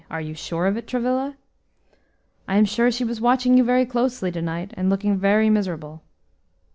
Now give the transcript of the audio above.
Are you sure of it, Travilla?" "I am sure she was watching you very closely tonight, and looking very miserable."